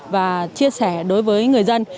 và chia sẻ đối với người dân